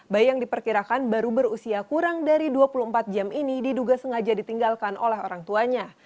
bayi yang diperkirakan baru berusia kurang dari dua puluh empat jam ini diduga sengaja ditinggalkan oleh orang tuanya